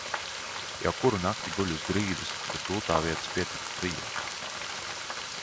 Jau kuru nakti guļu uz grīdas, bet gultā vietas pietiktu trijiem.